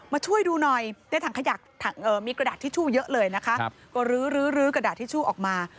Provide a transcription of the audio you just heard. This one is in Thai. ช่วยดูหน่อยในถังขยะมีกระดาษทิชชู่เยอะเลยนะคะก็ลื้อกระดาษทิชชู่ออกมา